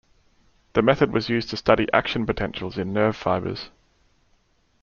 The method was used to study action potentials in nerve fibers.